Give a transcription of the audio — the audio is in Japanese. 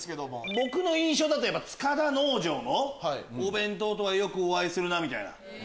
僕の印象だと塚田農場のお弁当とはよくおあいする。